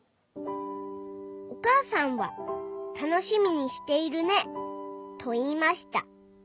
「おかあさんはたのしみにしているねといいました」